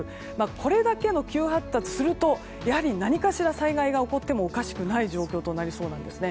これだけ急発達すると何かしら災害が起こってもおかしくない状況となりそうなんですね。